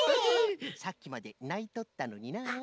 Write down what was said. さっきまでないとったのにのう。